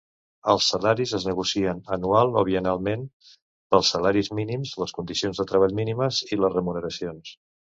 Els salaris es negocien anual o biennalment pels salaris mínims, les condicions de treball mínimes i les remuneracions.